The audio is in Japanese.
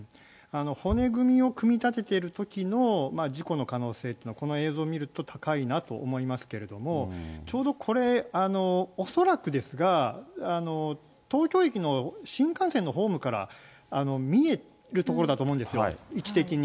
骨組みを組み立てているときの事故の可能性というのは、この映像見ると、高いなと思いますけれども、ちょうどこれ、恐らくですが、東京駅の新幹線のホームから見える所だと思うんですよ、位置的に。